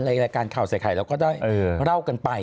รายการข่าวใส่ไข่เราก็ได้เล่ากันไป